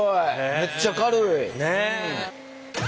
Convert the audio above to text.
めっちゃ軽い。ねえ！